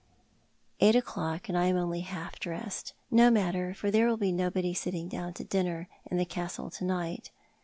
Eight o'clock, and I am only half dressed. No matter, for there will be nobody sitting down to dinner in the Castle to night.